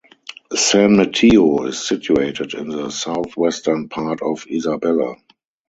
San Mateo is situated in the Southwestern part of Isabela.